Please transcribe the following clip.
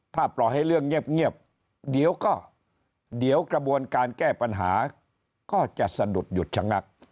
ถ้าปล่อยให้เรื่องเงียบเดี๋ยวก็เดี๋ยวกระบวนการแก้ปัญหาก็จะสะดุดหยุดชะงัก